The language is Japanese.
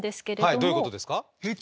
はいどういうことですか？